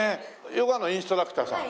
ヨガのインストラクターさん？